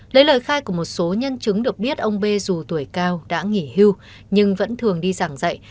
lấy lời khai của một số nhân chứng được biết ông b dù tuổi cao đã nghỉ hưu nhưng vẫn thường đi giảng dạy